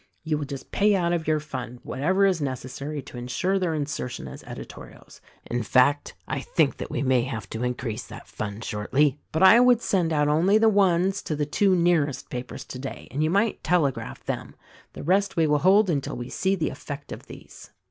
You will just pay out of your fund whatever is necessary to insure their insertion as editorials. In fact, I think that we may have to increase that fund shortly. But I would send out only the ones to the two nearest papers today — and you might telegraph them. The rest we will hold until we see the effect of these."